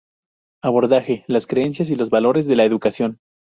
Abordaje: Las creencias y los valores de la educación.